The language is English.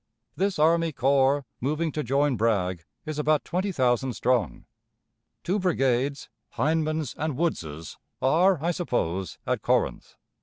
"This army corps, moving to join Bragg, is about twenty thousand strong. Two brigades, Hindman's and Woods's, are, I suppose, at Corinth.